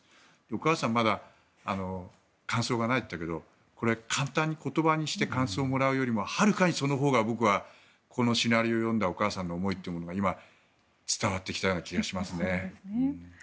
お母さんは、まだ感想がないって言ったけど簡単に言葉にして感想をもらうよりも、はるかにこのシナリオを読んだお母さんの思いが今伝わってきたような気がしますね。